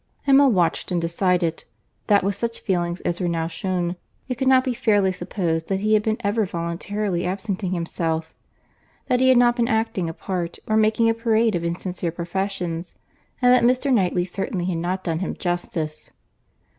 Emma watched and decided, that with such feelings as were now shewn, it could not be fairly supposed that he had been ever voluntarily absenting himself; that he had not been acting a part, or making a parade of insincere professions; and that Mr. Knightley certainly had not done him justice.